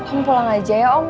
om pulang aja ya om